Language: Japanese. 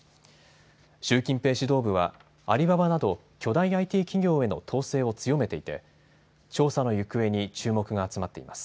習近平指導部はアリババなど、巨大ＩＴ企業への統制を強めていて調査の行方に注目が集まっています。